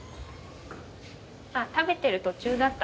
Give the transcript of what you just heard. あっ食べてる途中だった？